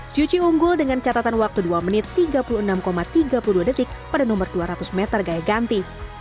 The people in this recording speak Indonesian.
syuchi unggul dengan catatan waktu dua menit tiga puluh enam tiga puluh dua detik pada nomor dua ratus meter gaya ganti